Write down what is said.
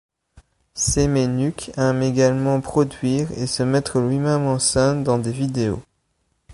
Semenuk aime également produire et se mettre lui-même en scène dans des vidéos.